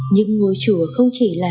những ngôi chùa không chỉ là